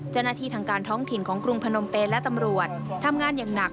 ทางการท้องถิ่นของกรุงพนมเปญและตำรวจทำงานอย่างหนัก